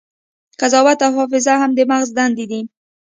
قضاوت او حافظه هم د مغز دندې دي.